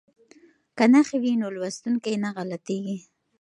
که نښې وي نو لوستونکی نه غلطیږي.